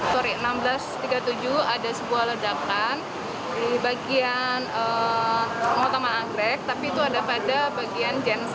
tari seribu enam ratus tiga puluh tujuh ada sebuah ledakan di bagian mall taman anggrek tapi itu ada pada bagian genset